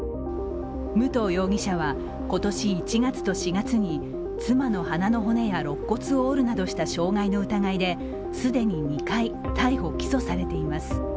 武藤容疑者は今年１月と４月に妻の鼻の骨やろっ骨を売るなどした傷害の疑いで既に２回、逮捕・起訴されています。